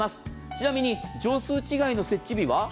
ちなみに、畳数違いの設置日は？